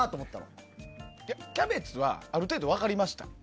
いや、キャベツはある程度、分かりました。